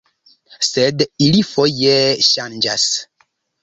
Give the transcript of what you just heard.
Sed ili foje ŝanĝas.